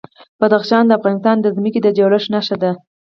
بدخشان د افغانستان د ځمکې د جوړښت نښه ده.